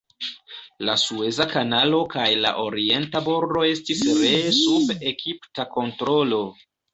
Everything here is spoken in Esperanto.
La Sueza Kanalo kaj la orienta bordo estis ree sub egipta kontrolo.